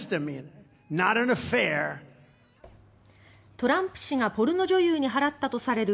トランプ氏がポルノ女優に払ったとされる